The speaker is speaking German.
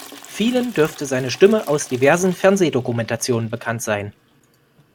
Vielen dürfte seine Stimme aus diversen Fernsehdokumentationen bekannt sein.